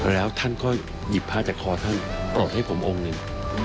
แล้วท่านก็หยิบผ้าจากคอท่านกรดให้ผมองค์หนึ่ง